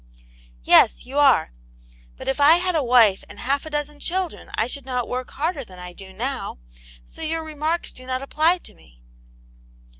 " Yes, you are. But if I had a wife and half a dozen children, I should not work harder than I da. now. So your remarks do not apply to me."